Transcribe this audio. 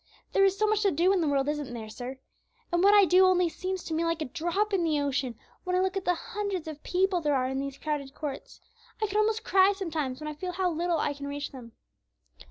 There is so much to do in the world, isn't there, sir? And what I do only seems to me like a drop in the ocean when I look at the hundreds of people there are in these crowded courts; I could almost cry sometimes when I feel how little I can reach them."